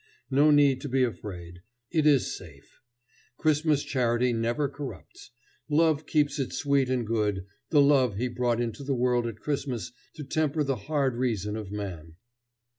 No need to be afraid. It is safe. Christmas charity never corrupts. Love keeps it sweet and good the love He brought into the world at Christmas to temper the hard reason of man.